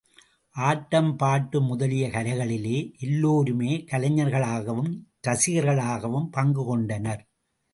ஆட்டம், பாட்டு முதலிய கலைகளில் எல்லோருமே கலைஞர்களாகவும், ரசிகர்களாகவும் பங்கு கொண்டனர்.